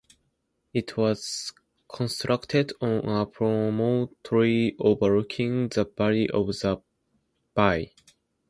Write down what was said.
It was constructed on a promontory overlooking the valley of the Vie.